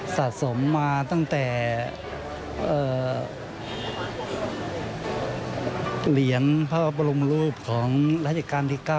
สะสมมาตั้งแต่เหรียญพระบรมรูปของราชการที่๙